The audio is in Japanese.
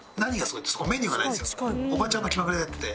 おばちゃんの気まぐれでやってて。